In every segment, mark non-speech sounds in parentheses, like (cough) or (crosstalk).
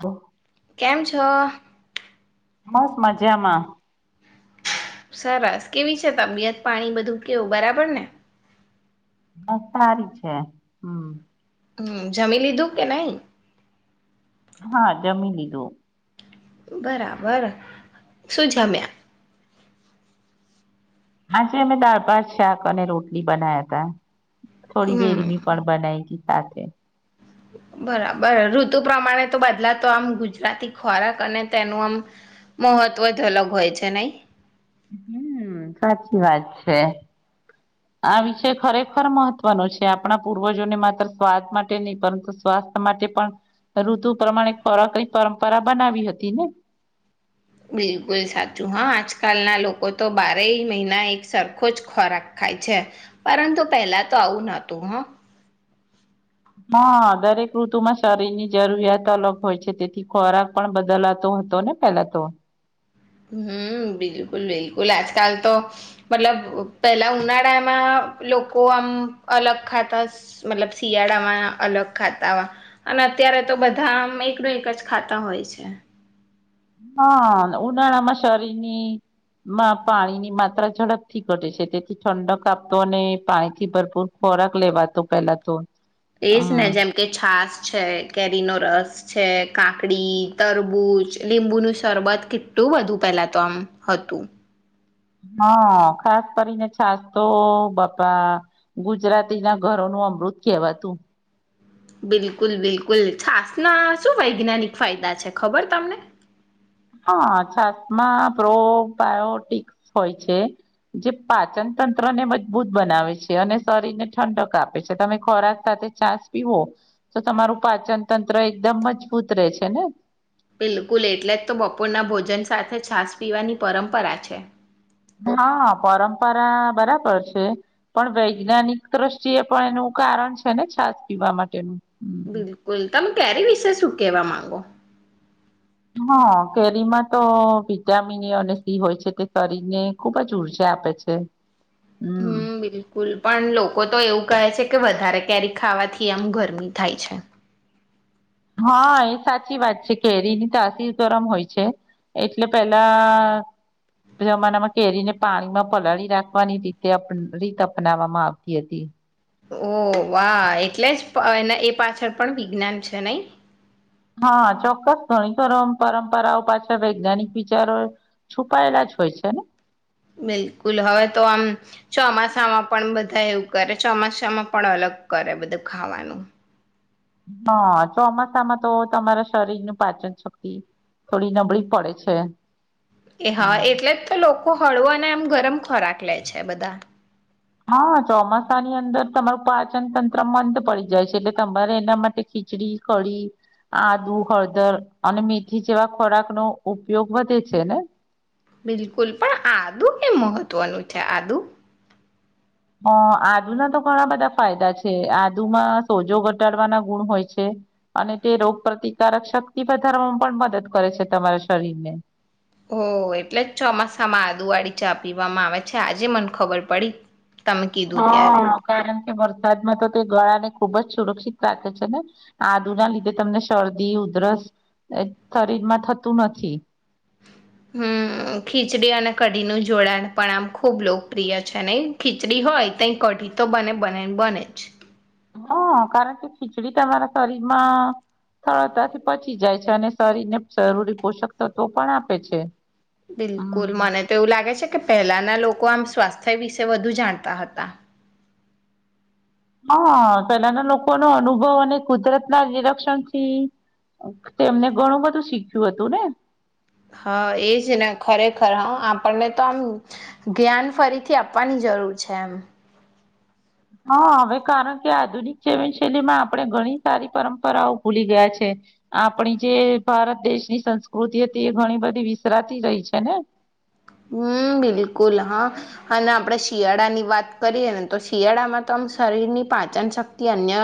હ કેમ છ મસ મજામાં સરસ કેવી છે તબિયત પાણી બધું કેવું બરાબર ને હ સારી છે હમ હમ જમી લીધું કે નહી હા જમી લીધું બરાબર શું જમ્યા હાજ અમે દાળ ભાત શાક અને રોટલી બના્યા તા થોડી હમ વેડમી પણ બનાાય સાથે બરાબર ઋતુ પ્રમાણે તો બદલાતો આમ ગુજરાતી ખોરાક અને તેનું આમ મહત્વ જ અલગ હોય છે નઈ હમ સાચી વાત છે આ વિષય ખરેખર મહત્વનો છે આપણા પૂર્વજોને માત્ર સ્વાદ માટે નહી પરંતુ સ્વાસ્થ માટે પણ ઋતુ પ્રમાણે ખોરાકની પરંપરા બનાવી હતી ને બિલકુલ સાચું હા આજકાલના લોકો તો બારેય મહિના એક સરખો જ ખોરાક ખાય છે પરંતુ પહેલા તો આવું નતું હં હા દરેક ઋતુમાં શરીરની જરૂરિયાત અલગ હોય છે તેથી ખોરાક પણ બદલાતો હતોને પેલા તો હમ બિલકુલ બિલકુલ આજકાલ તો મતલબ પેલા ઉનાળામાં લોકો આમ અલગ ખાતા મતલબ શિયાળામાં અલગ ખાતા અને અત્યારે તો બધા આમ એક નું એક જ ખાતા હોય છે હા ઉનાળામાં શરીરની માં પાણીની માત્રા ઝડપથી ઘટે છે તેથી ઠંડક આપતો અને પાણી થી ભરપૂર ખોરાક લેવાતો પેલા તો એજ ને હમ જેમ કે છાસ છે કેરીનોરસ છે કાકડી તરબૂચ લીંબુ નું શરબત કેટલું વધુ પેલા તો આમ હતું હા ખાસ કરીને છાસ તો બાપા ગુજરાતી ના ઘરો નું અમૃત કહેવાતું બિલકુલ બિલકુલ છાસ ના શું વૈજ્ઞાનિક ફાયદા છે ખબર તમને હા છાસમાં પ્રોબાયોટિકસ હોય છે જે પાચન તંત્રને મજબૂત બનાવે છે અને શરીરને ઠંડક આપે છે તમે ખોરાક સાથે છાસ પીવો તો તમારું પાચન તંત્ર એકદમ મજબૂત રહે છે ને બિલકુલ એટલે જ તો બપોરના ભોજન સાથે છાસ પીવાની પરંપરા છે હા પરંપરા બરાબર છે પણ વૈજ્ઞાનિક દ્રષ્ટિએ પણ એનું કારણ છે ને છાસ પીવા માટેનું હમ બિલકુલ કેરી વિશે શું કેવા માંગો હા કેરીમાં તો વિટામિન એ અને સી હોય છે તે શરીરને ખુબ જ ઉર્જા આપે છે હમ બિલકુલ પણ લોકો તો એવું કહે છે કે વધારે કેરી ખાવાથી આમ ગરમી થાય છે હા એ સાચી વાત છે કેરી ની તાસીર ગરમ હોય છે એટલે પેલા જમાનામાં કેરીને પાણીમાં પલાળી રાખવાની રીતે રીત અપનાવામાં આવતી હતી ઓહ વાહ એટલે જ એ પાછળ પણ વિજ્ઞાન છે નઈ હા ચોક્કસ ઘણી પરં પરંપરાઓ પાછળ વૈજ્ઞાનિક વિચારો છુપાયેલા જ હોય છે ને. બિલકુલ હવે તો આમ ચોમાસામાં પણ બધા એવું કરે ચોમાસામાં પણ અલગ કરે બધું ખાવાનું હા, ચોમાસામાં તો તમારા શરીર ની પાચન શક્તિ થોડી નબળી પડે છે. એ હા હમ એટલે જ તે લોક ખો ખળવો ને આમ ગરમ ખોરાક લે છે બધા. હા, ચોમાસાની અંદર તમારું પાચન તંત્ર મંદ પડી જાય છે. એટલે તમારે એના માટે ખીચડી, કઢી, આદુ, હળદર અને મેથી જેવા ખોરાકનો ઉપયોગ વધે છે ને? બિલકુલ પણ આદુ કેમ મહત્વનું છે, આદુ? અહ આદુના તો ઘણા બધા ફાયદા છે આદુમાં સોજો ઘટાડવાના ગુણ હોય છે. અને તે રોગ પ્રતિકારક શક્તિ વધારવામાં પણ મદદ કરે છે તમારા શરીરને. ઓ એટલે જ ચોમાસામાં આદુવાળી ચા પીવામાં આવે છે આજે મન ખબર પડી તમે કીધું ત્યારે. હા કારણ કે વરસાદમાં તો તે ગળાને ખુબ જ સુરક્ષિત રાખે છે ને આદુ ના લીધે તમને શરદી ઉધરસ એ શરીરમાં થતું નથી. હમ્મ ખીચડી અને કઢીનું જોડાણ પણ આમ ખૂબ લોકપ્રિય છે અને ખીચડી હોય તો કઢી તો બને બને ને બને જ. હા, કારણ કે ખીચડી તમારા શરીરમાં સરળતાથી પચી જાય અને શરીર ને જરૂરી પોષક તત્વો પણ આપે છે. બિલકુલ હમ. મને તો એવું લાગે છે કે પહેલાના લોકો આમ સ્વાસ્થ્ય વિશે વધુ જાણતા હતા. હા, પેલાના લોકોનો અનુભવ અને કુદરતના નિરીક્ષણ થી અહ તેમને ઘણું બધું શીખ્યું હતું ને. હા, એજ ને ખરેખર હા આપણને તો આમ ધ્્યાન ફરીથી આપવાની જરૂર છે એમ. હા, હવે કારણ કે આધુનિક જીવનશૈલીમાં આપણે ઘણી સારી પરંપરાઓ ભૂલી ગયા છે. આપણી જે ભારત દેશની સંસ્કૃતિ હતી એ ઘણી બધી વિસરાતી રહી છે ને? હમ્મ, બિલકુલ હા અને આપણે શિયાળાની વાત કરીએ ને તો શિયાળામાં તો આ શરીરની પાચન શક્તિ અન્ય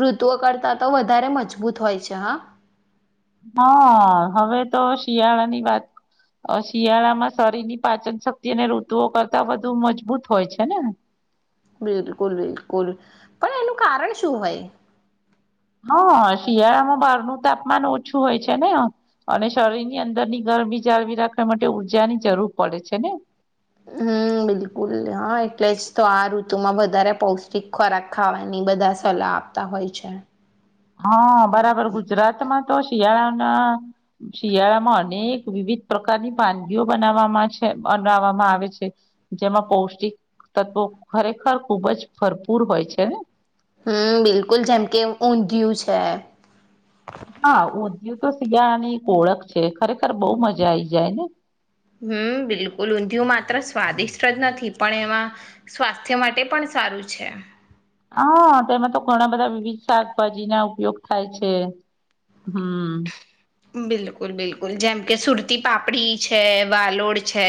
ઋતુઓ કરતા તો વધારે મજબૂત હોય છે હા. હાઆ, હવે તો શિયાળા ની વાત શિયાળામાં શરીર ની પાચન શક્તિ અને ઋતુઓ કરતા વધુ મજબૂત હોય છે ને? બિલકુલ બિલકુલ પણ એનું કારણ શું હોય? હા શિયાળામાં બહારનું તાપમાન ઓછું હોય છે ને અને શરીર ની અંદર ની ગરમી જાળવી રાખવા માટે ઊર્જા ની જરૂર પડે છે ને? હમ્મ બિલકુલ હા એટલે જ તો આ ઋતુમાં વધારે પૌષ્ટિક ખોરાક ખાવાની બધા સલાહ આપતા હોય છે. હા બરાબર ગુજરાતમાં તો શિયાળાના શિયાળામાં અનેક વિવિધ પ્રકારની વાનગીઓ બનાવવામાં છે બનાવામાં આવે છે જેમાં પૌષ્ટિક તત્વો ખરેખર ખુબ જ ભરપૂર હોય છેને? હમ્મ, બિલકુલ જેમ કે ઊંધિયું છે હા ઊંધિયું તો શિયાળાની ઓળખ છે ખરેખર બહુ મજા આઈ જાય ને? હમ્મ, બિલકુલ ઊંધિયું માત્ર સ્વાદિષ્ટ જ નથી પણ એમાં સ્વાસ્થ્ય માટે પણ સારું છે આ. હા, તેમાં તો ઘણા બધા વિવિધ શાકભાજી ના ઉપયોગ થાય છે. હમ્મ. બિલકુલ, બિલકુલ જેમ કે સુરતી પાપડી છે, વાલોડ છે,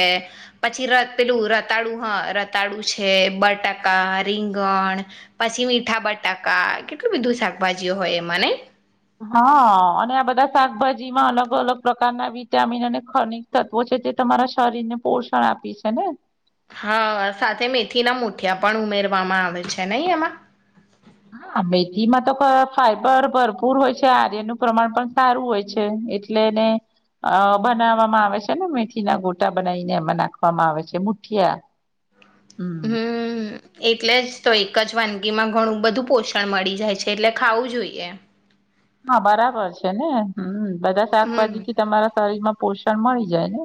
પછી રતલું રતાડુ હા રતાડુ છે, બટાકા રીંગણ, પછી મીઠા બટાકા કેટલું બધું શાકભાજીઓ હોય એમાં નહીં? હા અને આ બધા શાકભાજી માં અલગ અલગ પ્રકારના વિટામિન અને ખનીક તત્વો છે તે તમારા શરીર ને પોષણ આપે છે ને? હા, સાથે મેથીના મુઠિયા પણ ઉમેરવામાં આવે છે નહી એમાં? હા મેથીમાં તો ક-ફાઈબર ભરપૂર હોય છે આર્યનું પ્રમાણ પણ સારું હોય છે એટલે એને અહ બનાવવામાં આવે છે ને મેથી ના ગોટા બનાવીને એમાં નાખવામાં આવે છે મુઠિયા. હમ હમ્મ. એટલે જ તો એક જ વાનગી માં ઘણું બધું પોષણ મળી જાય છે એટલે ખાવું જોઈએ. હા બરાબર છે ને. હમ્મ બધા હમ શાકભાજી તમારા શરીર માં પોષણ મળી જાય ને?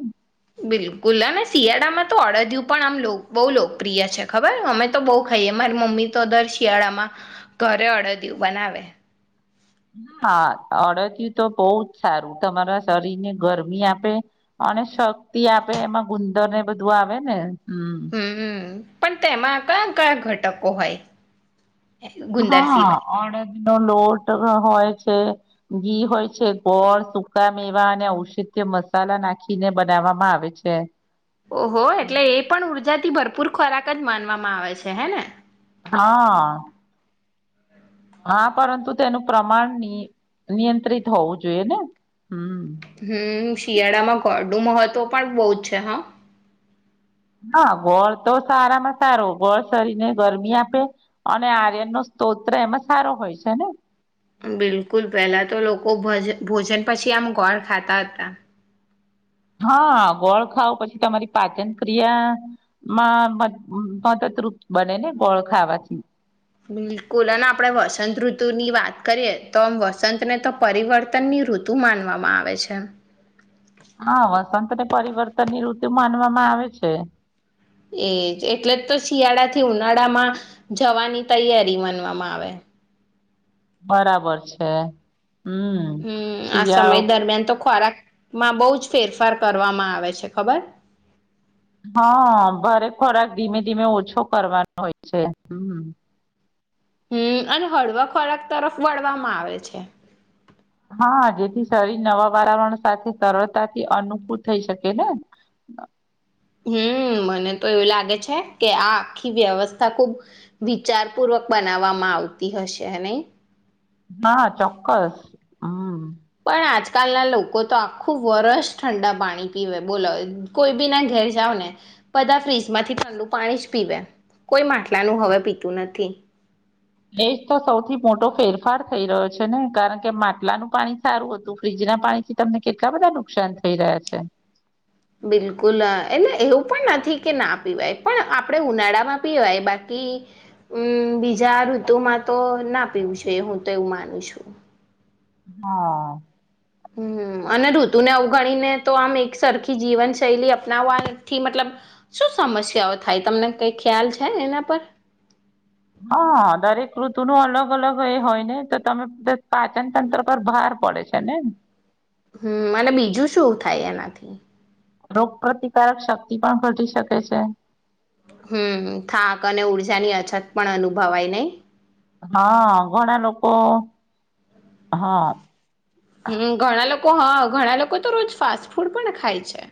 બિલકુલ અને શિયાળામાં તો અડદિયું પણ આમ બહુ લોકપ્રિય છે ખબર અમે તો બહુ ખાઈએ મારી મમ્મી તો દર શિયાળામાં ઘરે અડદિયું બનાવે. હા અડદયું તો બહુ જ સારું તમારા શરીર ને ગરમી આપે અને શક્તિ આપે એમાં ગુંદર ને બધું આવે ને? હમ હમ્મ. પણ તેમાં કયા કયા ઘટકો હોય? ગુંદર હા સિવાય એનો લોટ હોય છે ઘી હોય છે ગોળ સુકા મેવા અને ઔષધ્ય મસાલા નાખીને બનાવામાં આવે છે, ઓહો એટલે એ પણ ઉર્જા થી ભરપૂર ખોરાક જ માન આવે છે હે ને હા હા પરંતુ તેનું પ્રમાણ નિયંત્રિત હોવું જોઈએ ને હમ હમ્મ શિયાળામાં કો હું મહત્વ પણ બહુ જ છે હા હા, ગોળ તો સારામાં સારો ગોળ શરીને ગરમી આપે અને આર્યન નો સ્તોત્ર એમાં સારો હોય છે ને બિલકુલ પેલા તો લોકો ભોજન પછી આમ ગોળ ખાતા હતા હા ગોળ ખાાવ પછી તમારી પાચન ક્રિયામાં મદદરૂપ બને ને ગોળ ખાવાથી બિલકુલ અને આપણેે વસંત ઋતુની વાત કરીએ તો વસંત ને તો પરિવર્તનની ઋતુ માનવામાં આવે છે, પરિવર્તન ની ઋતુ માનવામાં આવે છે, એજ એટલે જ તો શિયાળા થી ઉનાળામાં જવાની તૈયારી માનવામાં આવે બરાબર છે, હમ હમ્મ આ સમય શિયાળો દરમિયાન તો ખોરાક માં બહુ જ ફેરફાર કરવામાં આવે છે ખબર? હા, ભરે ખોરાક ધીમે ધીમે ઓછો કરવાનો હોય છે. હમ્મ હમ અને હળવા ખોરાક તરફ વળવામાં આવે છે. હા, જેથી શરીર નવા વાતાવરણ સાથે સરળતાથી અનુકૂળ થઈ શકે ને? હમ્મ મને તો એવું લાગે છે, કે આ આખી વ્યવસ્થા ખુબ વિચાર પૂર્વક બનાવવામાં આવતી હશે નહી? ચોક્કસ હા, પણ આજકાલના લોકો તો આખું વરષ ઠંડા પાણી પીવે બોલો કોઈ બી ના ઘેર જાવ ને બધા ફ્રીજમાંથી ઠંડુ પાણી જ પીવે કોઈ માટલાનું હવે પીતું નથી. એજ તો સૌથી મોટો ફેરફાર થઈ રહ્યો છે ને કારણ કે માટલાનું પાણી સારું હતું ફ્ર્રીજના પાણી થી તમને કેટલા બધા નુકસાન થઈ રહ્યા છે. બિલકુલ એટલે એવું પણ નથી કે ના પીવાય પણ આપણે ઉનાળામાં પીવાય બાકી અમ બીજા ઋતુમાં તો ના પીવું છે હું તો એવું માનું છું. હા. હમ અને ઋતુને અવગણીને તો આમ એક સરખી જીવનશૈલી અપનાવવાથી મતલબ શું સમસ્યાઓ થાય તમને કઈ ખ્યાલ છે એના પર? હા દરેક ઋતુનો અલગ અલગ એ હોય ને તો તમે પાચનતંત્ર પર ભાર પડે છે. તને ન હમ અને બીજું શું થાય એનાથી? રોગ પ્રતિકારક શક્તિ પણ ઘટી શકે છે. હમ્મ થાક અને ઉર્જાની અછત પણ અનુભવાય નહી? હા ઘણા લોકો હા હમ ઘણા લોક કો હા ઘણા લોકો તો રોજ ફાસ્ટ ફૂડ પણ ખાય છે.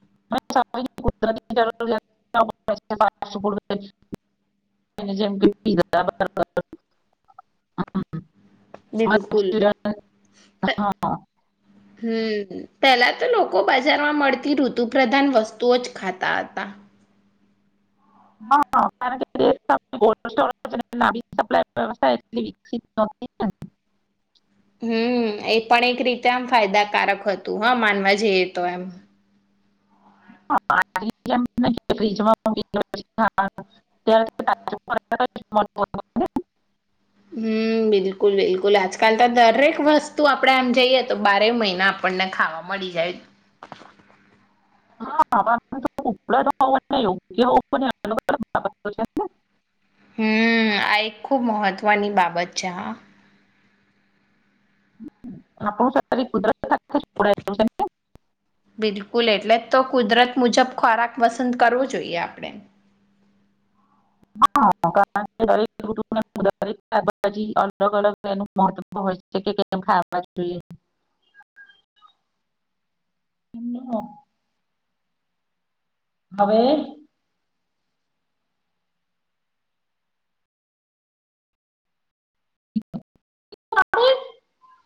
(inaudible) બિલકુલ (inaudible) હમ્મ પેલા તો લોકો બજારમાં મળતી ઋતુ પ્રધાન વસ્તુઓ જ ખાતા હતા. હહ કારણ કે (inaudible) હમ્મ, એ પણ એક રીતે આમ ફાયદાકારક હતું હહ માનવા જઈએ તો એમ. (inaudible) હમ્મ બિલકુલ બિલકુલ આજકાલ તો દરેક વસ્ તો આપણેે આમ જઈએ તો બારે મહિના આપણને ખાવા મળી જાય. (unintelligible) હમ્મ આ એક ખુબ મહત્વની બાબત છે હા. આપણું (unintelligible) બિલકુલ એટલે તો કુદરત મુજબ ખોરાક પસંદ કરવો જોઈએ. આપ હા. (unintelligible) દરેક શાકભાજી અલગ અલગ એનું મહત્વ હોય છે, કે કેમ ખાવા જોઈએ. હવે (inaudible)